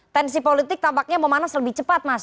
tensi politik tampaknya memanas lebih cepat mas